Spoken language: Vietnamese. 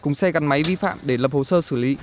cùng xe gắn máy vi phạm để lập hồ sơ xử lý